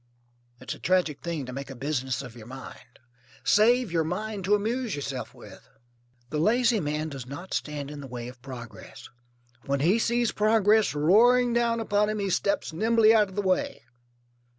It's a tragic thing to make a business of your mind. Save your mind to amuse yourself with. The lazy man does not stand in the way of progress. When he sees progress roaring down upon him he steps nimbly out of the way.